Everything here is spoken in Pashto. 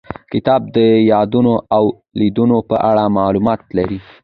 کتاب د یادونو او لیدنو په اړه معلومات لري.